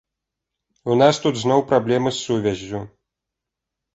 У нас тут зноў праблемы з сувяззю.